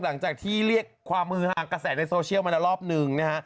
หลังจากที่เรียกความมือห่างกระแสในโซเชียลมาแล้วรอบหนึ่งนะฮะ